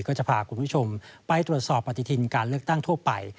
ก็จะพาคุณผู้ชมไปตรวจสอบปฏิทินการเลือกตั้งทั่วไป